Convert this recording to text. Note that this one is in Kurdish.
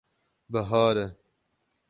Bihar e.